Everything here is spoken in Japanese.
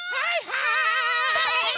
はい！